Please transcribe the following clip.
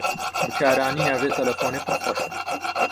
Bikaranîna vê telefonê pir xweş e.